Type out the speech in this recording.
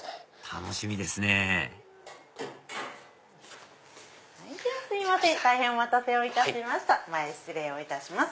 楽しみですね大変お待たせをいたしました前失礼をいたします。